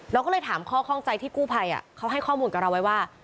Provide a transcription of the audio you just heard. เราก็เลยถามข้อข้องใจที่กู้ภัยเขาให้ข้อมูลกับเราไว้ว่า